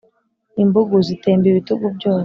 imbugu zitemba ibitugu byose